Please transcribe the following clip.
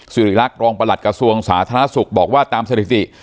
ริรักษ์รองประหลัดกระทรวงสาธารณสุขบอกว่าตามสถิติ